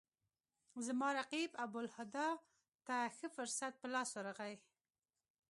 زما رقیب ابوالهدی ته ښه فرصت په لاس ورغی.